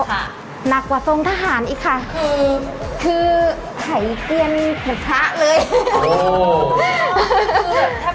ค่ะหนักกว่าทรงทหารอีกค่ะคือหายเตียนหัวพระเลยโอ้โหคือแบบ